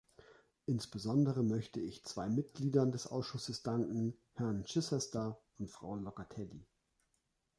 Insbesondere möchte ich zwei Mitgliedern des Ausschusses danken, Herrn Chichester und Frau Locatelli.